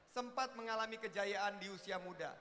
sempat mengalami kejayaan di usia muda